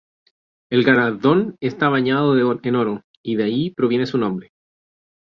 El galardón está bañado en oro y de ahí proviene su nombre.